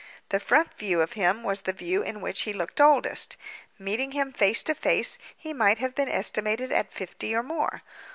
The front view of him was the view in which he looked oldest; meeting him face to face, he might have been estimated at fifty or more.